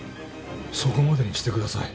そこまでにしてください。